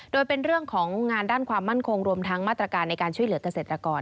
โดยเป็นเรื่องของงานด้านความมั่นคงรวมทั้งมาตรการในการช่วยเหลือกเกษตรกร